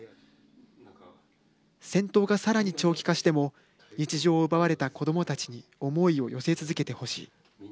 戦闘がさらに長期化しても日常を奪われた子どもたちに思いを寄せ続けてほしい。